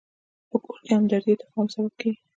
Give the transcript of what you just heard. په کور کې همدردي د تفاهم سبب کېږي.